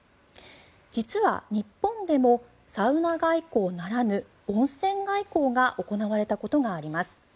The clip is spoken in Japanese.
実は、日本でもサウナ外交ならぬ温泉外交が行われたことがあります。